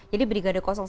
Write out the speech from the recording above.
satu jadi brigade satu